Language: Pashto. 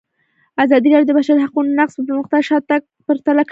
ازادي راډیو د د بشري حقونو نقض پرمختګ او شاتګ پرتله کړی.